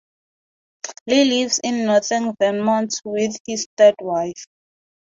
Lee lives in northern Vermont with his third wife.